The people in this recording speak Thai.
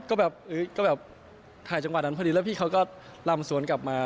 ก็แบบไทยจังหวัดนั้นพอดีแล้วพี่เค้าก็ลำสวนกลับมา